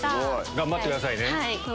頑張ってくださいね。